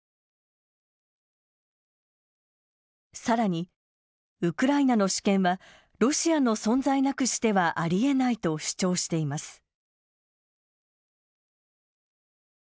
さらにウクライナの主権はロシアの存在なくしてはありえないと主張しています。